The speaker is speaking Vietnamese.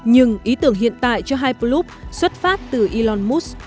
nhưng ý tưởng hiện tại cho hyperloop xuất phát từ elon musk